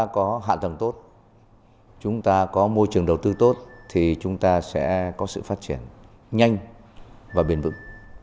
chúng tốt chúng ta có môi trường đầu tư tốt thì chúng ta sẽ có sự phát triển nhanh và bền vững